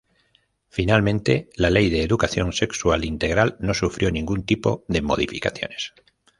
Finalmente la ley de educación sexual integral no sufrió ningún tipo de modificaciones.